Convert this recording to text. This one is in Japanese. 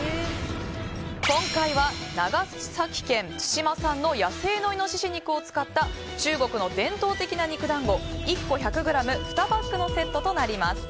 今回は長崎県対馬産の野生のイノシシ肉を使った中国の伝統的な肉団子１個１００ｇ２パックのセットとなります。